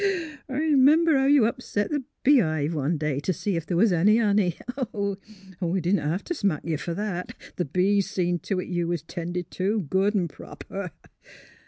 'Member how you upset the bee hive one day t' see if the' was any honey! We didn't hev t' smack ye fer that. The bees seen to it you was 'tended to, good an*^ proper."